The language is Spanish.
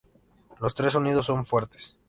Los tres sonidos son fuertes.